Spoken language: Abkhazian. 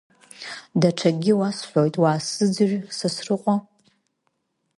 Даҽакгьы уасҳәоит, уаасзыӡырҩ, Сасрыҟәа.